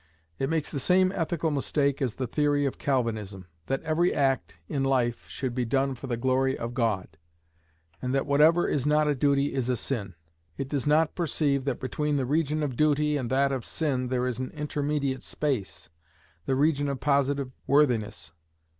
It makes the same ethical mistake as the theory of Calvinism, that every act in life should be done for the glory of God, and that whatever is not a duty is a sin. It does not perceive that between the region of duty and that of sin there is an intermediate space, the region of positive worthiness.